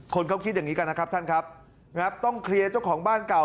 คนเขาคิดอย่างนี้กันนะครับท่านครับต้องเคลียร์เจ้าของบ้านเก่า